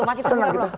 masih pengen lah